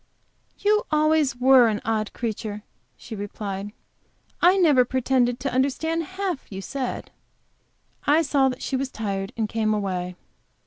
"You always were an odd creature," she replied. "I never pretended to understand half you said." I saw that she was tired, and came away.